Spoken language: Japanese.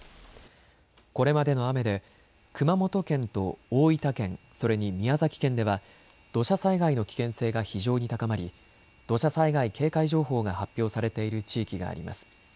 これまでの雨で熊本県と大分県、それに宮崎県では土砂災害の危険性が非常に高まり土砂災害警戒情報が発表されている地域があります。